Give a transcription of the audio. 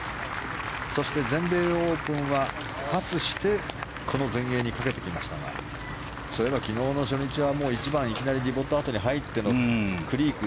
そして全米オープンはパスしてこの全英にかけてきましたが昨日の初日は１番でいきなりディボット跡に入ってのクリーク。